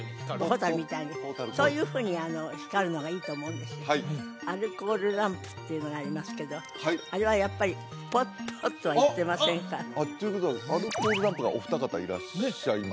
蛍みたいにそういうふうに光るのがいいと思うんですけどアルコールランプっていうのがありますけどあれはやっぱりポッポッとはいってませんか？ということはアルコールランプがお二方いらっしゃいましたね